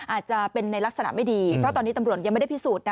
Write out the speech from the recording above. อาจจะเป็นในลักษณะไม่ดีเพราะตอนนี้ตำรวจยังไม่ได้พิสูจนนะ